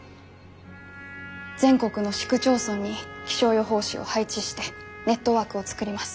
全国の市区町村に気象予報士を配置してネットワークを作ります。